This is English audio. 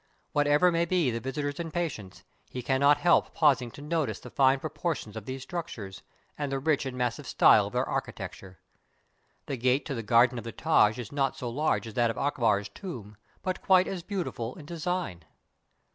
Whatever may be the visitor's impatience, he cannot help pausing to notice the fine proportions of these structures, and the rich and massive style of their architecture. The gate to the garden of the Taj is not so large as that of Akbar's tomb, but quite as beautiful in design.